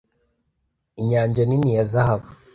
Inyanja nini ya zahabu